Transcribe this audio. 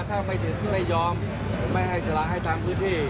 ถ้าไม่เห็นไม่ยอมไม่ให้สละให้ตามพื้นที่